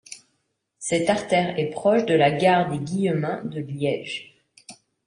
Cette artère est proche de la gare des Guillemins de Liège.